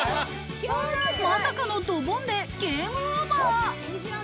まさかのドボンでゲームオーバー！